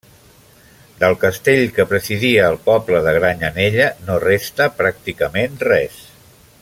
Del castell que presidia el poble de Granyanella no resta pràcticament res.